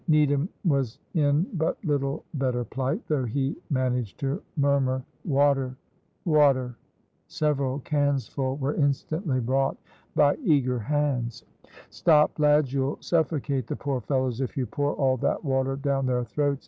Needham was in but little better plight, though he managed to murmur, "water water." Several cans full were instantly brought by eager hands. "Stop, lads, you'll suffocate the poor fellows if you pour all that water down their throats!"